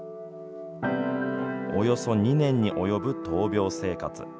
およそ２年に及ぶ闘病生活。